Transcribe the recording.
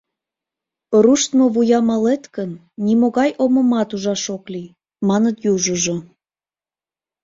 «Руштмо вуя малет гын, нимогай омымат ужаш ок лий», — маныт южыжо.